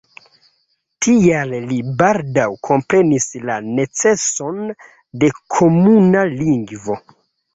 Tial li baldaŭ komprenis la neceson de komuna lingvo.